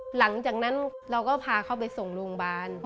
หลังจากนั้นเราก็พาเขาไปส่งโรงพยาบาล